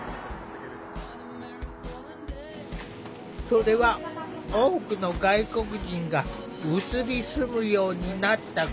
それは多くの外国人が移り住むようになったこと。